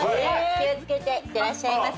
気をつけていってらっしゃいませ。